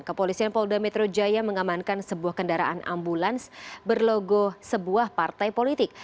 kepolisian polda metro jaya mengamankan sebuah kendaraan ambulans berlogo sebuah partai politik